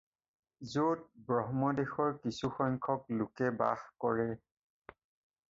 য'ত ব্ৰঙ্গদেশৰ কিছুসংখ্যক লোকে বাস কৰে।